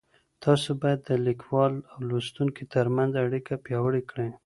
تاسو بايد د ليکوال او لوستونکي تر منځ اړيکه پياوړې کړئ.